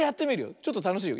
ちょっとたのしいよ。